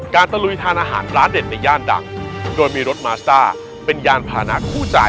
ตะลุยทานอาหารร้านเด็ดในย่านดังโดยมีรถมาซ่าเป็นยานพานะคู่จ่าย